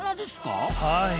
はい。